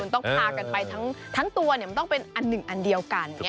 ต้องสมดุลต้องพากันไปทั้งตัวเนี่ยมันต้องเป็นอันหนึ่งอันเดียวกัน